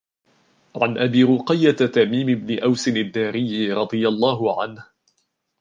عن أبي رُقَيَّةَ تَميمِ بنِ أوْسٍ الدَّاريِّ رَضِي اللهُ عَنْهُ